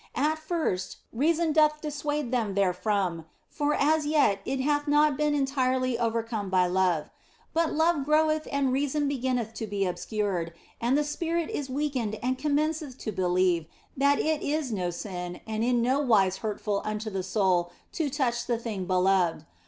At first, reason doth dissuade them therefrom, for as yet it hath not been entirely overcome by love ; but love groweth and reason beginneth to be obscured and the spirit is weakened and commenceth to believe that it is no sin and in no wise hurtful unto the soul to touch the thing beloved.